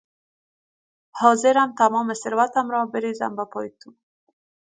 حاضرم تمام ثروتم را بریزم به پای تو